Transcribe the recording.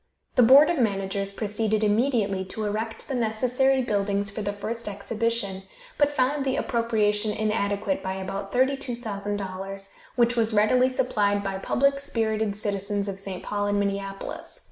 The board of managers proceeded immediately to erect the necessary buildings for the first exhibition, but found the appropriation inadequate by about $32,000, which was readily supplied by public spirited citizens of St. Paul and Minneapolis.